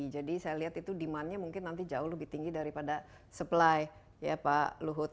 jadi saya lihat itu demandnya mungkin nanti jauh lebih tinggi daripada supply ya pak luhut